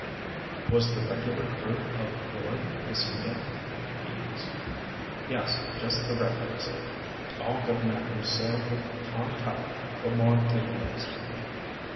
"Was the regular crew aboard the Sea Belle?" he asked. "Yes. Just the regulars. All good men who've sailed with Tom Tyler for more'n ten years."